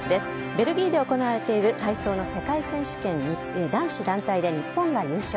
ベルギーで行われている体操の世界選手権男子団体で日本が優勝。